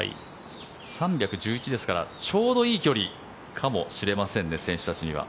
３１１ですからちょうどいい距離かもしれませんね、選手たちには。